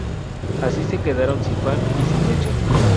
Así se quedaron sin pan y sin leche.